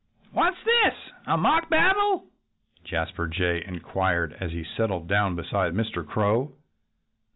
"What's this? A mock battle?" Jasper Jay inquired as he settled down beside Mr. Crow.